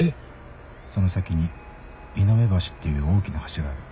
その先に美濃部橋っていう大きな橋がある。